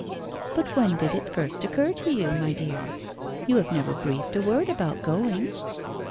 'But when did it first occur to you, my dear? You have never breathed a word about going.'